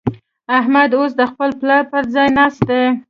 احمد اوس د خپل پلار پر ځای ناست دی.